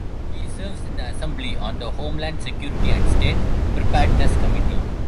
He serves in the Assembly on the Homeland Security and State Preparedness Committee.